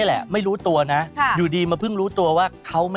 และเดือนตุลาคม